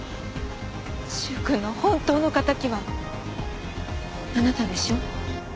柊君の本当の敵はあなたでしょ？